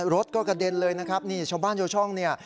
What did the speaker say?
รถก็กระเด็นเลยนะครับนี่ชาวบ้านชาวช่องเนี่ย